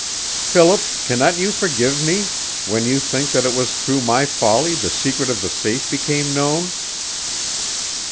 Philip, cannot you forgive me when you think that it was through my folly the secret of the safe became known?"